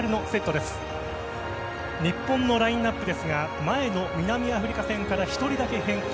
今日の日本代表ですが前の南アフリカ戦から１人だけ変更。